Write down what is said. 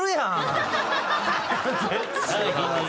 絶対に。